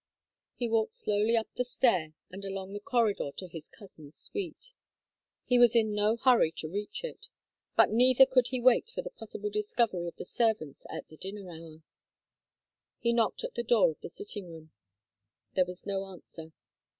He walked slowly up the stair and along the corridor to his cousin's suite; he was in no hurry to reach it, but neither could he wait for the possible discovery of the servants at the dinner hour. He knocked at the door of the sitting room. There was no answer.